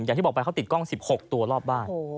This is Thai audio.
อย่างที่บอกไปเขาติดกล้อง๑๖ตัวรอบบ้าน